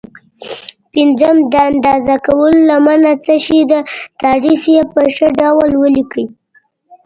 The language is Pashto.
پنځم: د اندازه کولو لمنه څه شي ده؟ تعریف یې په ښه ډول ولیکئ.